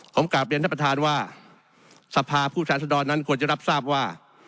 ผมกลับเรียนท่านประธานว่าสภาผู้แทนสดรนั้นควรจะรับทราบว่า